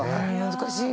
難しい。